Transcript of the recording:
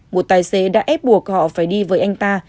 một tài xế đã ép buộc họ phải đi với anh ta